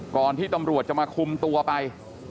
ก่อนที่ตำรวจจะมาคุมตัวไป